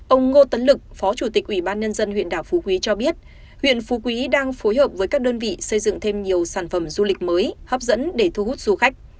ông ngô tấn lực phó chủ tịch ủy ban nhân dân huyện đảo phú quý cho biết huyện phú quý đang phối hợp với các đơn vị xây dựng thêm nhiều sản phẩm du lịch mới hấp dẫn để thu hút du khách